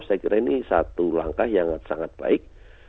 saya kira ini satu langkah yang sangat baik